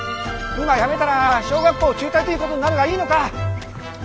今やめたら小学校中退ということになるがいいのか？